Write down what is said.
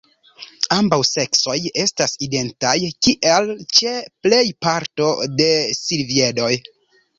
Ambaŭ seksoj estas identaj, kiel ĉe plej parto de silviedoj.